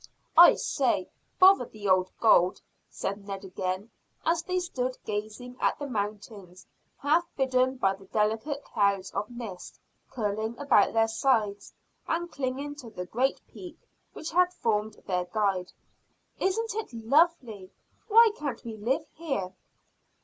"I say, bother the old gold!" said Ned again, as they stood gazing at the mountains half bidden by the delicate clouds of mist curling about their sides and clinging to the great peak which had formed their guide. "Isn't it lovely! Why can't we live here?"